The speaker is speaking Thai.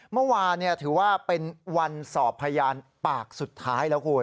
เมื่อวานถือว่าเป็นวันสอบพยานปากสุดท้ายแล้วคุณ